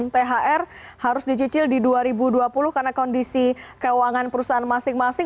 thr harus dicicil di dua ribu dua puluh karena kondisi keuangan perusahaan masing masing